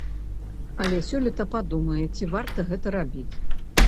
Але сёлета падумае, ці варта гэта рабіць.